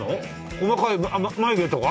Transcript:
細かい眉毛とか？